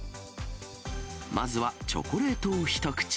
まずはチョコレートを一口。